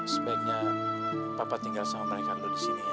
sebaiknya papa tinggal sama mereka loh di sini ya